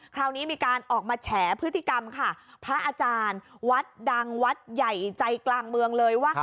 คราวนี้มีการออกมาแฉพฤติกรรมค่ะพระอาจารย์วัดดังวัดใหญ่ใจกลางเมืองเลยว่า